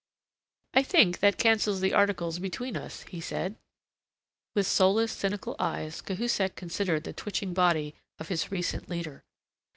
"I think that cancels the articles between us," he said. With soulless, cynical eyes Cahusac considered the twitching body of his recent leader.